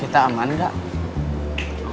kita aman gak